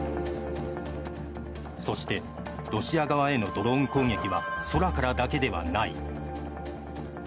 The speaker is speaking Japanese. そして、ロシア側へのドローン攻撃は空からだけではない。